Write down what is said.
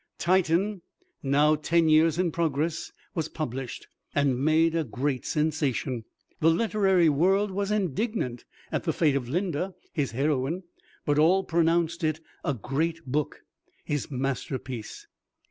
"Titan," now ten years in progress, was published, and made a great sensation. The literary world was indignant at the fate of "Linda," his heroine, but all pronounced it a great book, his masterpiece.